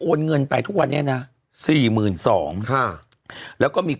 โอนเงินไปทุกวันนี้นะ๔๒๕๐๐ฑ